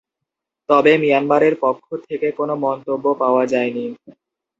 তবে মিয়ানমারের পক্ষ থেকে কোনো মন্তব্য পাওয়া যায়নি।